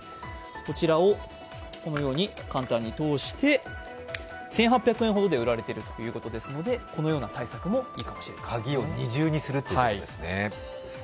こちらをこのように簡単に通して、１８００円ほどで売られているということですので、このような対策もいいかもしれませんね。